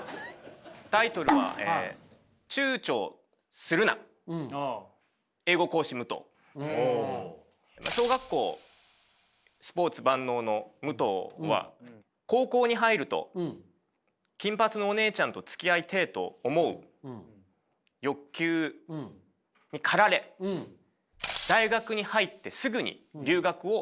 タイトルは小学校スポーツ万能の武藤は高校に入ると金髪のおねえちゃんとつきあいてえと思う欲求にかられ大学に入ってすぐに留学を決意します。